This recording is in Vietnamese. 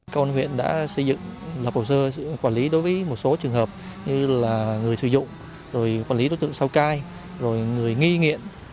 công an huyện đã xây dựng lập hồ sơ quản lý đối với một số trường hợp như là người sử dụng rồi quản lý đối tượng sau cai rồi người nghi nghiện